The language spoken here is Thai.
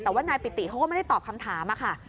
แต่ว่านายปิติเขาก็ไม่ได้ตอบคำถามค่ะ